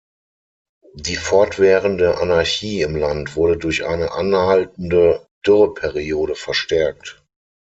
Die fortwährende Anarchie im Land wurde durch eine anhaltende Dürreperiode verstärkt.